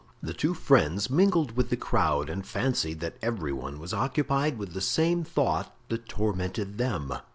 The two friends mingled with the crowd and fancied that every one was occupied with the same thought that tormented them.